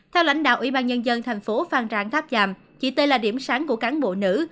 theo lãnh đạo ủy ban nhân dân tp phan rang tháp tràm chị t là điểm sáng của cán bộ nữ